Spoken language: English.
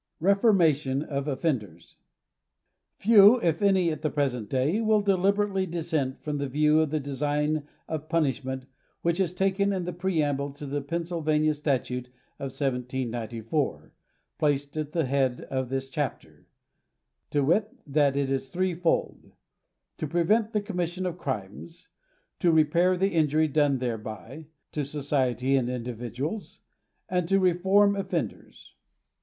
' 11 REFORMATION OF OFFENDERS* Few, if any, at the present day, will deliberately dissent from that view of the design of punishment which is taken in the preamble to the Pennsylvania statute of 1794, placed at the bead of this chapter, viz., that it is three fold ;— ^to prevent the commission of crimes, to repair the injury done thereby to society and individuals, and to reform offenders.